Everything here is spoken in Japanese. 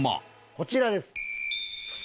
こちらです。